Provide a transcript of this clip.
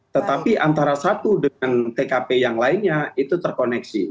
tetapi antara satu dengan tkp yang lainnya itu terkoneksi